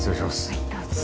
はいどうぞ。